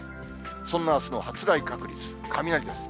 そんなあすの発雷確率、雷です。